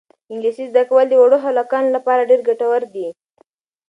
انګلیسي زده کول د وړو هلکانو لپاره ډېر ګټور دي.